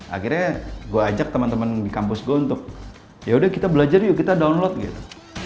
akhirnya gue ajak teman teman di kampus gue untuk yaudah kita belajar yuk kita download gitu